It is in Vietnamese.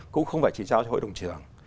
cũng không phải chỉ trao cho hội đồng trường